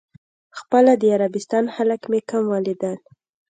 په خپله د عربستان خلک مې کم ولیدل.